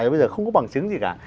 bây giờ không có bằng chứng gì cả